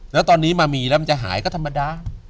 แล้วตอนนี้มามีแล้วมันจะหายก็ธรรมดา